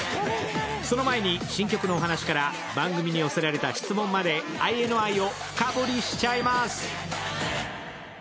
その前に新曲のお話から番組に寄せられた質問まで、ＩＮＩを深掘りしちゃいます。